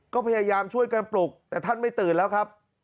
ก็พยายามช่วยกันปลุกแต่ท่านไม่ตื่นแล้วครับ